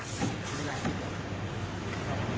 สวัสดีค่ะ